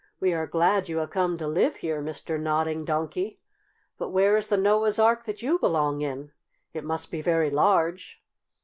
"We are glad you have come to live here, Mr. Nodding Donkey. But where is the Noah's Ark that you belong in? It must be very large."